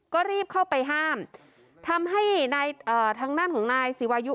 ก็รีบเข้าไปห้ามทำให้นายทางด้านของนายศิวายุ